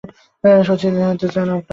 শহীদ হতে চান আপনারা?